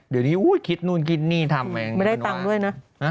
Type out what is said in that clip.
เดี๋ยวนี้คิดนู่นคิดนี่ทำเองไม่ได้ตังค์ด้วยนะ